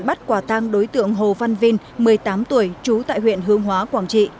bắt quả tang đối tượng hồ văn vinh một mươi tám tuổi trú tại huyện hương hóa quảng trị